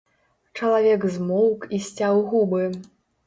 Чалавек змоўк і сцяў губы.